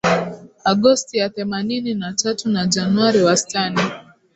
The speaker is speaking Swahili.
Agosti ya themanini na tatu na Januari wastani